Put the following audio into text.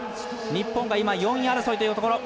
日本が４位争いというところ。